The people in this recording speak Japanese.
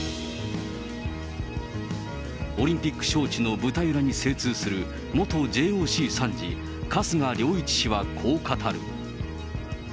オリンピック招致の舞台裏に精通する元ＪＯＣ参事、春日良一氏はこう語る。